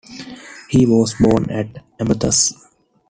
He was born at Amathus.